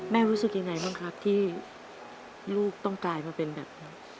รู้สึกยังไงบ้างครับที่ลูกต้องกลายมาเป็นแบบนั้น